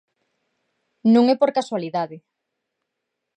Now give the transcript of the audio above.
Non é por casualidade.